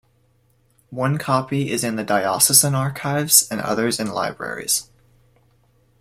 One copy is in the diocesan archives and others in libraries.